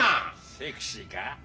！？セクシーか？